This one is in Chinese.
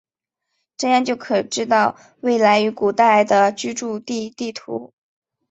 这样就可知道未来与古代的居住地地图。